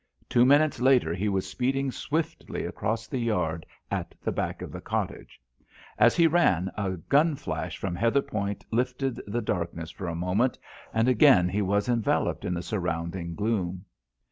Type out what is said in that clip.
Two minutes later he was speeding swiftly across the yard at the back of the cottage. As he ran a gun flash from Heatherpoint lifted the darkness for a moment, and again he was enveloped in the surrounding gloom.